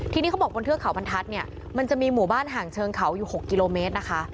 ทีนี้เขาบอกบนเทือกเขาบรรทัศน์เนี่ยมันจะมีหมู่บ้านห่างเชิงเขาอยู่๖กิโลเมตรนะคะ